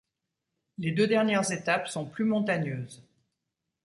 Les deux dernières étapes sont plus montagneuses.